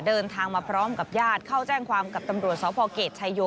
เดินทางมาพร้อมกับญาติเข้าแจ้งความกับตำรวจสพเกตชายโย